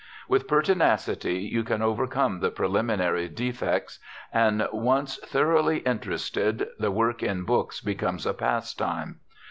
With pertinacity you can overcome the preliminary defects and once thoroughly interested, the work in books becomes a pastime.